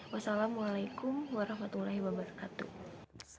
wassalamualaikum warahmatullahi wabarakatuh